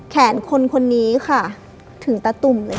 แขนคนคนนี้ค่ะถึงตาตุ่มเลยค่ะ